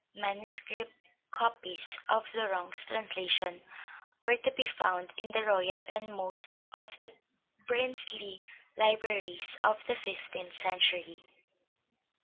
Manuscript copies of Laurent's translation were to be found in the royal and most of the princely libraries of the fifteenth century.